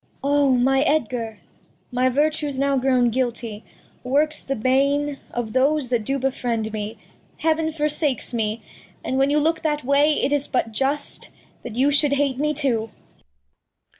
Cord. O, my Edgar ! My Vertue's now grown guilty, works the Bane Of those that do befriend me, Heav'n forsakes me. And when you look that Way, it is but just That you shou'd hate me too.